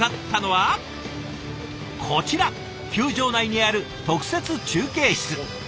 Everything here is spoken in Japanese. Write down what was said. こちら球場内にある特設中継室。